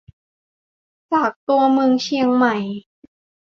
จากตัวเมืองเชียงใหม่